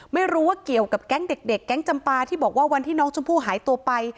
ไม่รู้ว่าเกี่ยวกับแก๊งเด็กแก๊งจำปาที่บอกว่าวันที่น้องชมพู่หายตัวไป